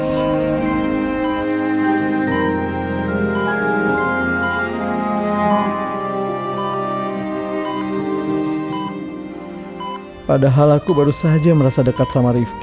mila sama michelle pasti khawatir sama keadaan rifqi